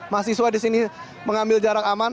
mahasiswa di sini mengambil jarak aman